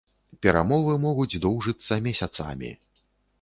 Перамовы могуць доўжыцца месяцамі.